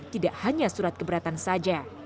tidak hanya surat keberatan saja